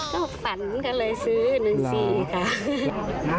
ก็ฝันก็เลยซื้อ๑๔ค่ะ